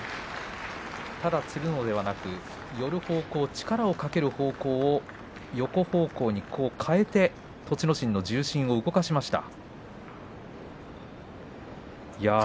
ただ、つるのではなくて寄る方向を横方向に変えて栃ノ心の重心を動かしました。